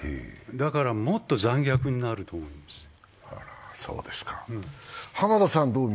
だから、もっと残虐になると思います。